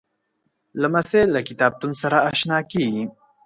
لمسی له کتابتون سره اشنا کېږي.